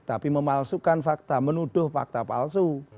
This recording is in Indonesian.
tapi memalsukan fakta menuduh fakta palsu